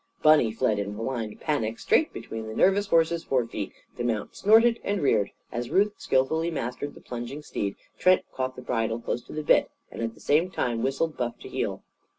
Bunny fled in blind panic straight between the nervous horse's forefeet. The mount snorted and reared. As Ruth skilfully mastered the plunging steed, Trent caught the bridle, close to the bit, and at the same time whistled Buff to heel.